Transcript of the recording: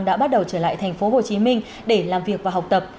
đã bắt đầu trở lại thành phố hồ chí minh để làm việc và học tập